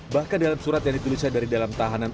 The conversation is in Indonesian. bahkan dalam surat yang ditulisnya dari dalam tahanan